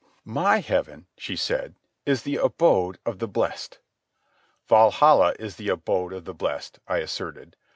"My heaven," she said, "is the abode of the blest." "Valhalla is the abode of the blest," I asserted.